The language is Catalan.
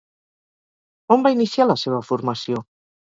On va iniciar la seva formació?